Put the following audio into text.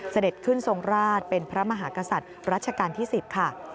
เสด็จขึ้นทรงราชเป็นพระมหากษัตริย์รัชกาลที่๑๐ค่ะ